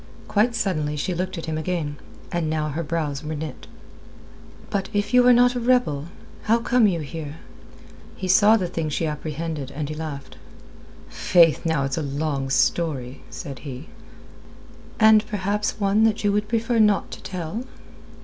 Quite suddenly she looked at him again; and now her brows were knit. "But if you are not a rebel, how come you here?" He saw the thing she apprehended, and he laughed. "Faith, now, it's a long story," said he. "And one perhaps that you would prefer not to tell?"